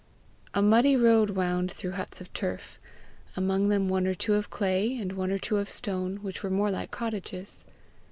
A muddy road wound through huts of turf among them one or two of clay, and one or two of stone, which were more like cottages.